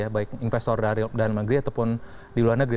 baik investor dari negara ataupun di luar negeri